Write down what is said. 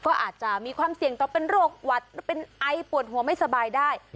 ก็อาจจะมีความเสี่ยงต่อเป็นโรคหวัดเป็นไอปวดหัวไม่สบายได้